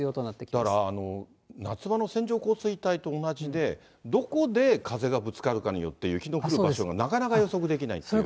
だから夏場の線状降水帯と同じで、どこで風がぶつかるかによって、雪のがなかなか予測できないっていう。